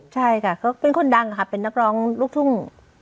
ใช่ค่ะเขาเป็นคนดังค่ะเป็นนักร้องลูกทุ่ง